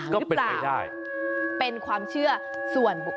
ก็เรื่อยได้